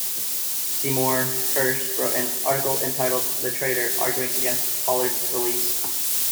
Seymour Hersh wrote an article entitled "The Traitor" arguing against Pollard's release.